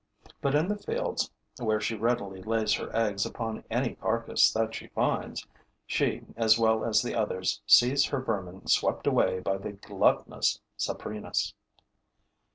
But, in the fields, where she readily lays her eggs upon any carcass that she finds, she, as well as the others, sees her vermin swept away by the gluttonous Saprinus.